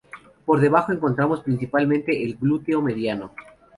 Por debajo encontramos principalmente el glúteo mediano.